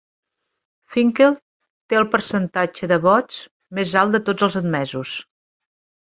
Finkel té el percentatge de vots més alt de tots els admesos.